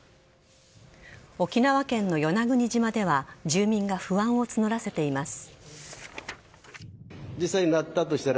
沖縄県の与那国島では住民が不安を募らせています。